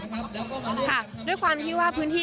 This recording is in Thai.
วิทยาลัยราชพัฒน์ซ้ายเกาะรอบเที่ยวแห่งประเทศไทย